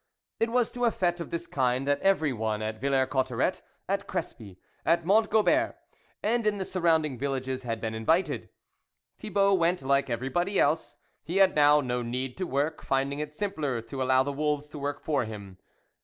It was to a fte of this kind that every one at Villers Cotterets, at Crespy, at Mont Gobert, and in the surrounding villages had been invited. Thibault went like everybody else ; he had now no need to work, finding it simpler to allow the wolves to work for him.